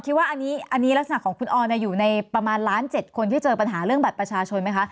ว่าอันนี้ลักษณะของคุณออนอยู่ในประมาณล้าน๗คนที่เจอปัญหาเรื่องบัตรประชาชนไหมคะ